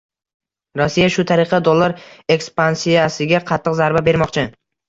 Rossiya shu tariqa dollar ekspansiyasiga qattiq zarba bermoqchi